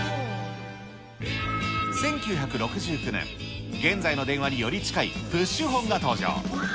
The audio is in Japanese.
１９６９年、現在の電話により近いプッシュホンが登場。